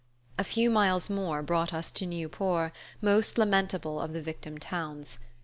A few miles more brought us to Nieuport, most lamentable of the victim towns.